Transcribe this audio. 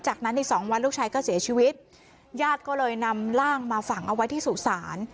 จากนั้นอีกสองวันลูกชายก็เสียชีวิตญาติก็เลยนำร่างมาฝังเอาไว้ที่สุสาน